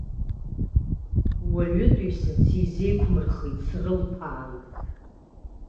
Уаҩытәыҩса сизеиқәмырхеит срылԥаан.